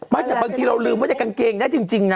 บางทีเราลืมไว้ในกางเกงได้จริงนะ